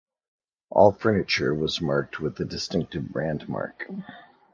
All furniture was marked with the distinctive brand mark.